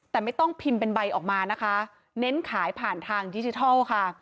แต่ไม่ต้องพิมพ์เป็นใบออกมานะคะเน้นขายผ่านทางดิจิทัลค่ะ